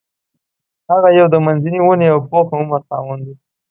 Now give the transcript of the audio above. هغه یو د منځني ونې او پوخ عمر خاوند و.